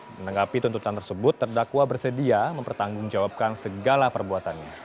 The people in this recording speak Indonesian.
menanggapi tuntutan tersebut terdakwa bersedia mempertanggungjawabkan segala perbuatannya